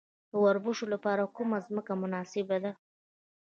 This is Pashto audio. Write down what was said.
د وربشو لپاره کومه ځمکه مناسبه ده؟